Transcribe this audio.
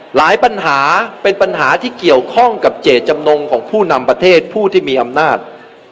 หลายปัญหาเป็นปัญหาที่เกี่ยวข้องกับเจตจำนงของผู้นำประเทศผู้ที่มีอำนาจ